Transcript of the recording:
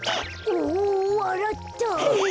おおわらった！